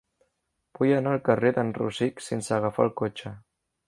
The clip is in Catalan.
Vull anar al carrer d'en Rosic sense agafar el cotxe.